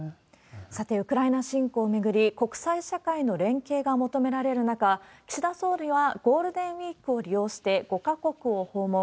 さて、ウクライナ侵攻を巡り、国際社会の連携が求められる中、岸田総理はゴールデンウィークを利用して５か国を訪問。